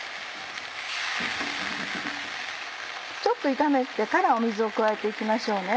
ちょっと炒めてから水を加えて行きましょうね。